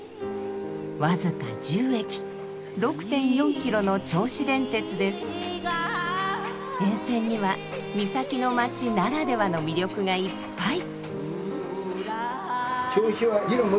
僅か１０駅６．４キロの沿線には岬の町ならではの魅力がいっぱい。